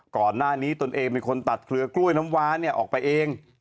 ก่อนหน้านี้ตนเองเป็นคนตัดเครือกล้วยน้ำว้าเนี่ยออกไปเอง